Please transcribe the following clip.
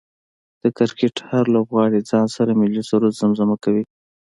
د کرکټ هر لوبغاړی ځان سره ملي سرود زمزمه کوي